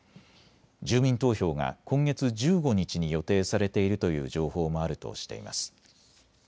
住民投票が今月１５日に予定されているという情報もあるとしています。